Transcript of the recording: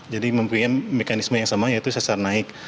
jadi mempunyai mekanisme yang sama yaitu sesar naik